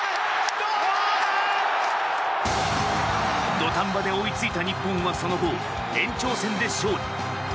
土壇場で追いついた日本はその後延長戦で勝利。